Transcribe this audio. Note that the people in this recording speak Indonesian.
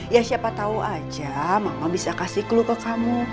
ya siapa tahu aja mama bisa kasih clue ke kamu